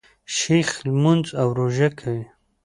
شیخ لمونځ او روژه کوي.